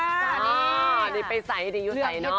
ฮ่านี้ไปใส้อยู่ใส้เนอะ